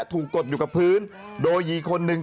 ถูกกดอยู่กับพื้นโดยยีคนนึง